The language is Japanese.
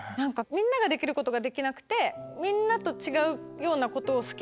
みんなができることができなくてみんなと違うようなことを好きで。